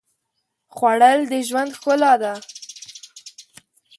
خوړل د ژوند ښکلا ده